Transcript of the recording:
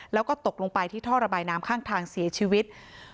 แล้วก็ตกลงไปที่ท่อระบายน้ำข้างทางเสียชีวิต